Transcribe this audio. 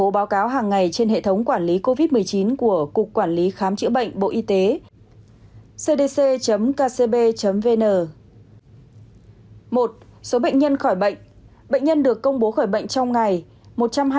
bệnh nhân được công bố khỏi bệnh trong ngày một trăm hai mươi bốn sáu trăm ba mươi ca